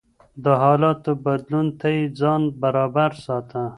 د حالاتو بدلون ته يې ځان برابر ساته.